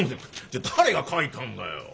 じゃあ誰が書いたんだよ。